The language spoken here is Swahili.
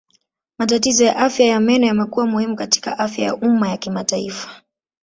Matatizo ya afya ya meno yamekuwa muhimu katika afya ya umma ya kimataifa.